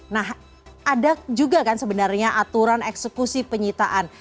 nah ada juga kan sebenarnya aturan eksekusi penyitaan